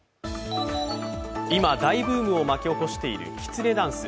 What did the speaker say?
今、大ブームを巻き起こしているきつねダンス。